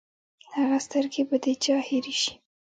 هغه سترګې به د چا هېرې شي!